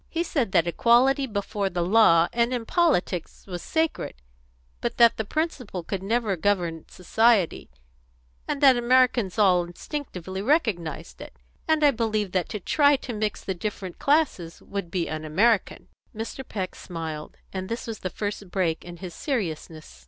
He said that equality before the law and in politics was sacred, but that the principle could never govern society, and that Americans all instinctively recognised it. And I believe that to try to mix the different classes would be un American." Mr. Peck smiled, and this was the first break in his seriousness.